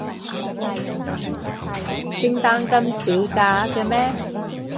聖誕咁少假嘅咩？